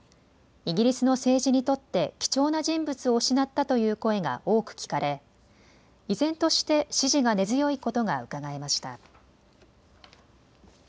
イギリスの政治にとって貴重な人物を失ったという声が多く聞かれ、依然として支持が根強いことがうかがえました。